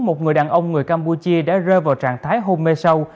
một người đàn ông người campuchia đã rơi vào trạng thái hôn mê sâu